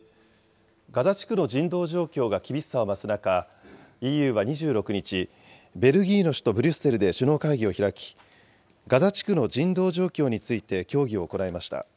ガザ地区の人道状況が厳しさを増す中、ＥＵは２６日、ベルギーの首都ブリュッセルで首脳会議を開き、ガザ地区の人道状況について協議を行いました。